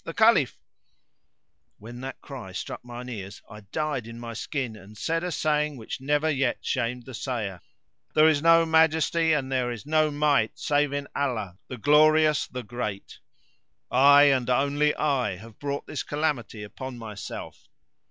the Caliph !" When that cry struck mine ears I died in my skin and said a saying which never yet shamed the sayer, "There is no Majesty and there is no Might save in Allah, the Glorious, the Great! I and only I have brought this calamity upon myself."